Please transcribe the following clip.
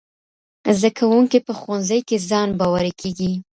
زدهکوونکي په ښوونځي کي ځان باوري کیږي.